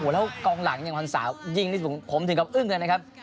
แล้วกองหลังอย่างวันสาวยิงนี่ผมถึงกับอึ้งกันนะครับ